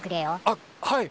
あっはい！